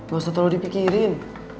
gak usah terlalu dipikirin